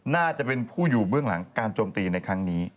น่าจะเป็นผู้อยู่เบื้องหลังการโจมตีในครั้งนี้